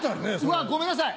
うわ！ごめんなさい。